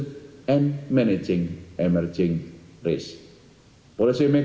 dan mengurangi risiko yang berkembang